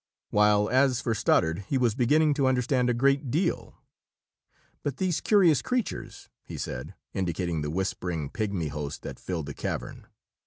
While as for Stoddard, he was beginning to understand a great deal. "But these curious creatures?" he said, indicating the whispering, pigmy host that filled the cavern.